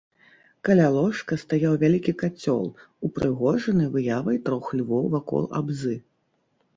Каля ложка стаяў вялікі кацёл, упрыгожаны выявай трох львоў вакол абзы.